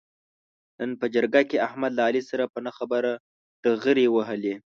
نن په جرګه کې احمد له علي سره په نه خبره ډغرې و وهلې.